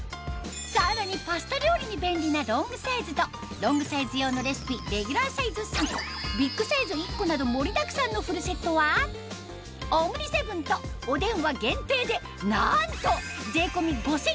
さらにパスタ料理に便利なロングサイズとロングサイズ用のレシピレギュラーサイズ３個ビッグサイズ１個など盛りだくさんのフルセットはｏｍｎｉ７とお電話限定でなんと！